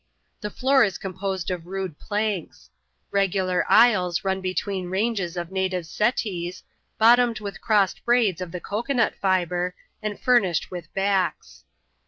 The floor is composed of rude planks. Regular aisles run between ranges of native settees, bottomed with crossed braids of the cocoa nut fibre, and furnished with backs.